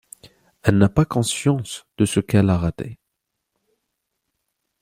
Elle n'a pas conscience de ce qu'elle a raté.